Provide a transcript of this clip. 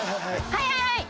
はいはいはい！